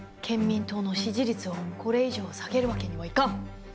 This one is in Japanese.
憲民党の支持率をこれ以上下げるわけにはいかん。